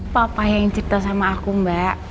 papa yang cipta sama aku mbak